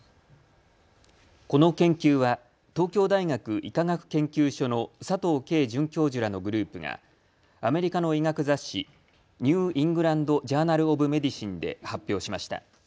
この研究は東京大学医科学研究所の佐藤佳准教授らのグループがアメリカの医学雑誌、ニュー・イングランド・ジャーナル・オブ・メディシンで発表しました。